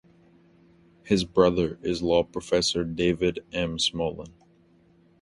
His brother is law professor David M. Smolin.